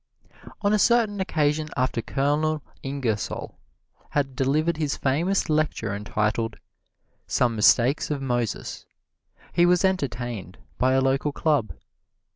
On a certain occasion after Colonel Ingersoll had delivered his famous lecture entitled, "Some Mistakes of Moses," he was entertained by a local club.